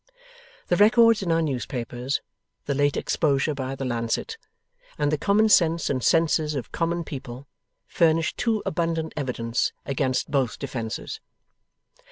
The records in our newspapers, the late exposure by THE LANCET, and the common sense and senses of common people, furnish too abundant evidence against both defences.